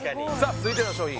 続いての商品